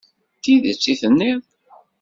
D tidet i d-tenniḍ?